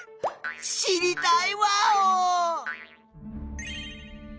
知りたいワオ！